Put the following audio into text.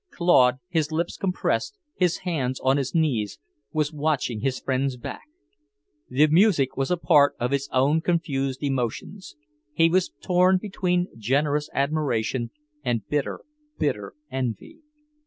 Claude, his lips compressed, his hands on his knees, was watching his friend's back. The music was a part of his own confused emotions. He was torn between generous admiration, and bitter, bitter envy.